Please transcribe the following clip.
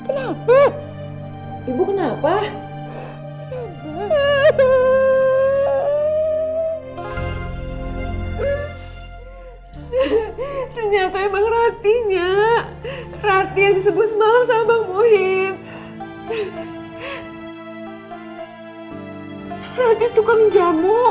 sampai jumpa di video selanjutnya